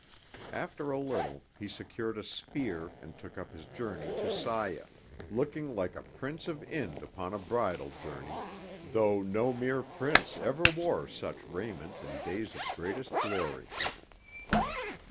After a little he secured a spear and took up his journey to Saya, looking like a prince of Ind upon a bridal journey though no mere prince ever wore such raiment in days of greatest glory.